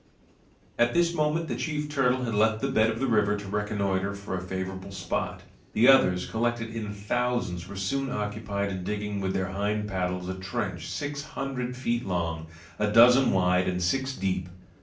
At this moment the chief turtle had left the bed of the river to reconnoiter for a favorable spot; the others, collected in thousands, were soon after occupied in digging with their hind paddles a trench six hundred feet long, a dozen wide, and six deep.